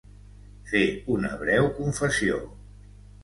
Fer una breu confessió